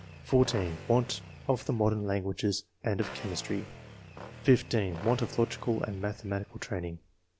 (14) "Want of the modern languages and of chemistry." (15) "Want of logical and mathematical training."